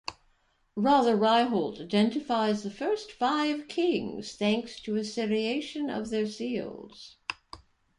Rather, Ryholt identifies the first five kings thanks to a seriation of their seals.